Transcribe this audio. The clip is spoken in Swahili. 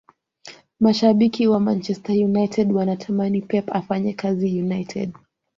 mashabiki wa manchester united wanatamani pep afanye kazi united